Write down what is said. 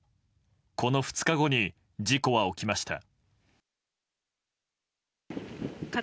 この２日後に事故は起きました。